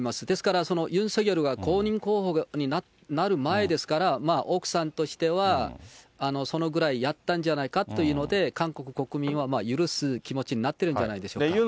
ですから、ユン・ソギョルが公認候補になる前ですから、奥さんとしてはそのぐらいやったんじゃないかというので、韓国国民は許す気持ちになってるんじゃないでしょうか。